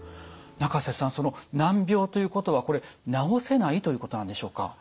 仲瀬さんその難病ということはこれ治せないということなんでしょうか？